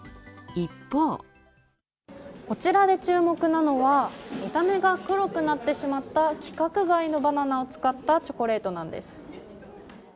一方こちらで注目なのは見た目が黒くなってしまった規格外のバナナを使ったチョコレートなんです。